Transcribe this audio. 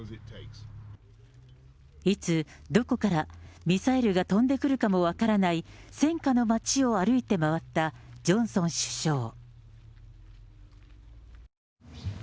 いつ、どこから、ミサイルが飛んでくるかも分からない、戦火の街を歩いて回ったジョンソン首相。